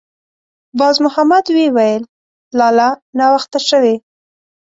باز محمد ویې ویل: «لالا! ناوخته شوې.»